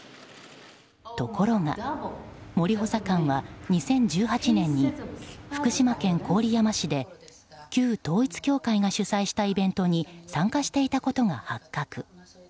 ところが森補佐官は２０１８年に福島県郡山市で旧統一教会が主催したイベントに参加していたことが発覚。